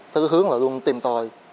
theo hướng là luôn tìm tòi